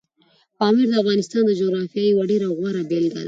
پامیر د افغانستان د جغرافیې یوه ډېره غوره بېلګه ده.